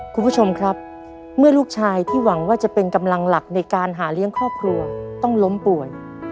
คุณผู้ชมครับเมื่อลูกชายที่หวังว่าจะเป็นกำลังหลักในการหาเลี้ยงครอบครัวต้องล้มป่วย